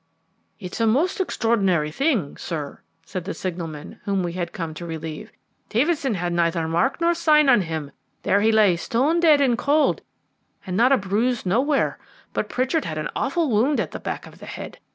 "It is a most extraordinary thing, sir," said the signalman whom we had come to relieve. "Davidson had neither mark nor sign on him there he lay stone dead and cold, and not a bruise nowhere; but Pritchard had an awful wound at the back of the head.